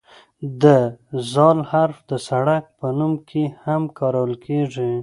د "ذ" حرف د سړک په نوم کې هم کارول کیږي.